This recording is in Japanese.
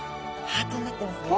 ハートになってますね。